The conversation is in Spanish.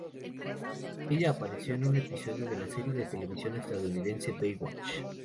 Ella apareció en un episodio de la serie de televisión estadounidense Baywatch.